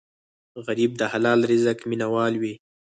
غریب د حلال رزق مینه وال وي